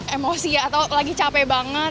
emosi atau lagi capek banget